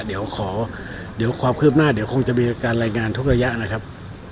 เดี๋ยวขอเดี๋ยวความคืบหน้าเดี๋ยวคงจะมีการรายงานทุกระยะนะครับ